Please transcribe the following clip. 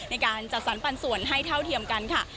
ในการจัดสรรปันส่วนให้เท่าเทียมกันค่ะ